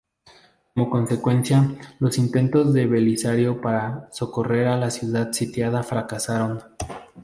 Como consecuencia, los intentos de Belisario para socorrer a la ciudad sitiada fracasaron.